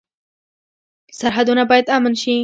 سرحدونه باید امن شي